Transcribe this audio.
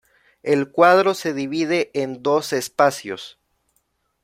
El cuadro se divide en dos espacios.